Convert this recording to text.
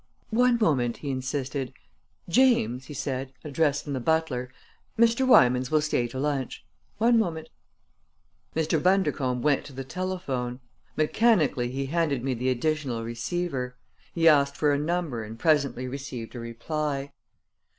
"One moment!" he insisted. "James," he said, addressing the butler, "Mr. Wymans will stay to lunch. One moment!" Mr. Bundercombe went to the telephone. Mechanically he handed me the additional receiver. He asked for a number and presently received a reply.